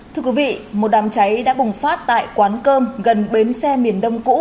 thưa quý vị một đám cháy đã bùng phát tại quán cơm gần bến xe miền đông cũ